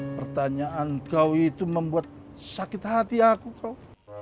pertanyaan kau itu membuat sakit hati aku kau